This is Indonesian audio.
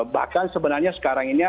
bahkan sebenarnya sekarang ini